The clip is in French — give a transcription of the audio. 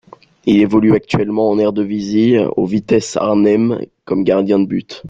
Il évolue actuellement en Eredivisie au Vitesse Arnhem comme gardien de but.